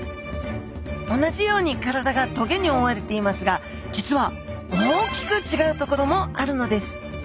同じように体が棘に覆われていますが実は大きく違うところもあるのです。